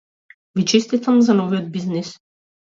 Ви честитам за новиот бизнис.